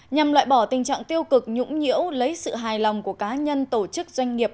nhằm loại bỏ tình trạng tiêu cực nhũng nhiễu lấy sự hài lòng của cá nhân tổ chức doanh nghiệp